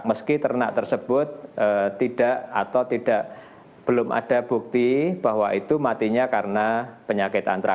meski ternak tersebut tidak atau belum ada bukti bahwa itu matinya karena penyakit antrak